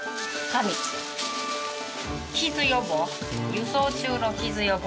輸送中の傷予防。